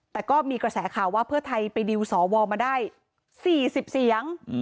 แต่ก็มีกระแสข่าวว่าเพื่อไทยไปดิวสวมาได้๔๐เสียง